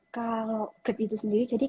kalau gap itu sendiri jadi